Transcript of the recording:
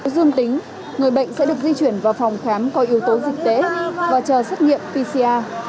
dương tính người bệnh sẽ được di chuyển vào phòng khám có yếu tố dịch tễ và chờ xét nghiệm pcr